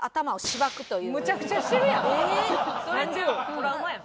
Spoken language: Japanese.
トラウマやん。